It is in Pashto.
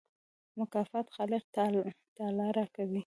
مکافات خالق تعالی راکوي.